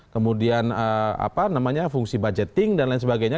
kemudian apa namanya fungsi budgeting dan lain sebagainya